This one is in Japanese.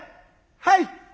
はい。